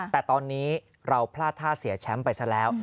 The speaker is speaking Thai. แต่ตอนนี้เราพลาดท่าเสียแชมป์ไปซะแล้ว